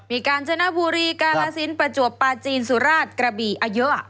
มีการเจนบุรีกาฮาซินประจวกป้าจีนสุราติกระบีอะเยอะ